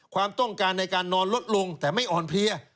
ความต้องการในการนอนลดลงแต่ไม่อ่อนเพลีย